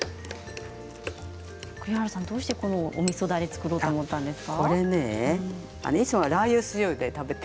どうしてこのおみそだれを作ろうと思ったんですか。